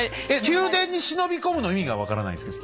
「宮殿に忍び込む」の意味が分からないんですけど。